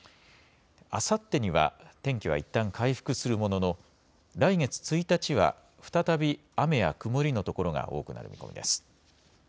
あさってには、天気はいったん回復するものの、来月１日は再び雨や曇りの所が多くなる見込みです。